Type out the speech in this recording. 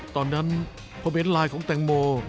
ตอนนั้นผมเห็นไลน์ของแตงโม